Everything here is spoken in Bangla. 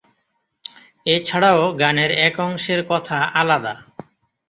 এছাড়াও গানের এক অংশের কথা আলাদা।